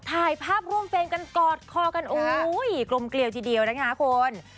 ถ่ายภาพร่วมเฟรมกันกอดคอกันโอ้ยกลมเกลียวทีเดียวนะคะคุณ